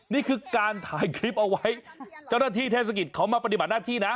นี่คือการถ่ายคลิปเอาไว้เจ้าหน้าที่เทศกิจเขามาปฏิบัติหน้าที่นะ